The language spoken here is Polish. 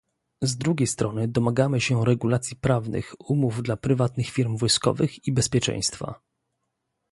Z drugiej strony domagamy się regulacji prawnych umów dla prywatnych firm wojskowych i bezpieczeństwa